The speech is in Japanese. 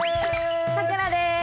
さくらです。